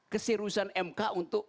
keserusan mk untuk